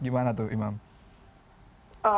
tepat sama nggak terpengaruh kayaknya